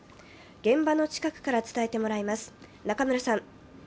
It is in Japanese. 現場の近くから伝えてもらいます。